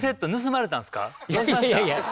いやいや。